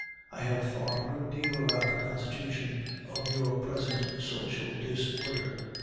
I have thought a good deal about the constitution of your present social Dis order.